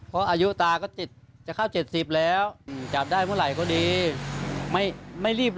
เพราะอายุตาก็จะเข้า๗๐แล้วจับได้เมื่อไหร่ก็ดีไม่รีบ